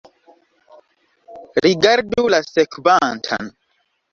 Rigardu la sekvantan.